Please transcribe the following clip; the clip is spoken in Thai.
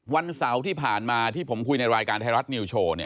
วันเสาร์ที่ผ่านมาที่ผมคุยในรายการไทยรัฐนิวโชว์